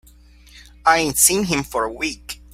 I ain't seen him for a week.